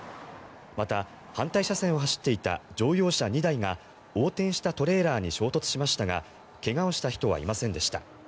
また、反対車線を走っていた乗用車２台が横転したトレーラーに衝突しましたが怪我をした人はいませんでした。